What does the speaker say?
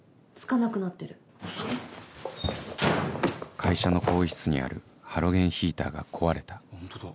会社の更衣室にあるハロゲンヒーターが壊れたホントだ。